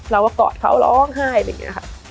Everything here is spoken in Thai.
แล้วก็กอดเขาร้องไห้